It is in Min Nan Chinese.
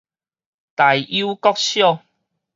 大有國小